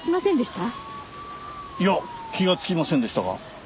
いや気がつきませんでしたが。